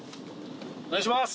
お願いします！